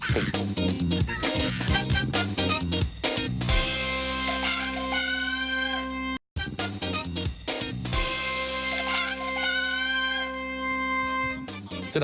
อเล็กจอย